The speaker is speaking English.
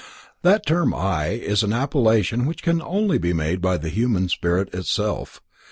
That term "I" is an appelation which can only be made by the human spirit of itself.